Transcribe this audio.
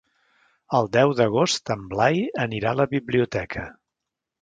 El deu d'agost en Blai anirà a la biblioteca.